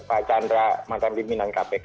pak chandra mantan pimpinan kpk